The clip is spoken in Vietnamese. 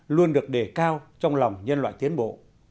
luôn được đề cao trong lòng nhân loại tiến bộ